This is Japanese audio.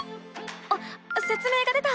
あっせつ明が出た！